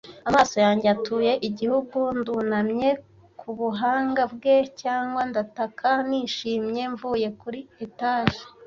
Amaso yanjye atuye igihugu; Ndunamye ku buhanga bwe cyangwa ndataka nishimye mvuye kuri etage.